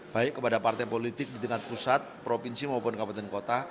baik kepada partai politik di tingkat pusat provinsi maupun kabupaten kota